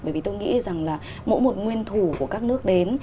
bởi vì tôi nghĩ rằng là mỗi một nguyên thủ của các nước đến